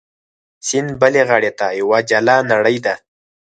سیند بلې غاړې ته یوه جلا نړۍ ده.